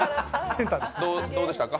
どうでしたか？